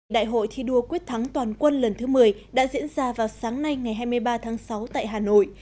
đại hội thi đua quyết thắng toàn quân lần thứ một mươi đã diễn ra vào sáng nay ngày hai mươi ba tháng sáu tại hà nội